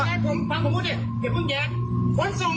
ขนส่งตรวจวัดยังไงผมไม่เห็นผมจะตอบไม่ได้